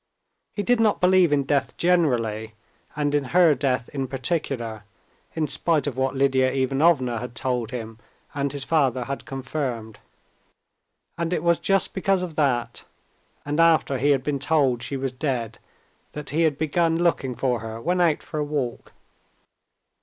He did not believe in death generally, and in her death in particular, in spite of what Lidia Ivanovna had told him and his father had confirmed, and it was just because of that, and after he had been told she was dead, that he had begun looking for her when out for a walk.